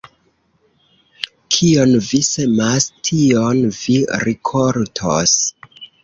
Kion vi semas, tion vi rikoltos.